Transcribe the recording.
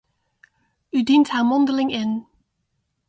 U dient haar mondeling in.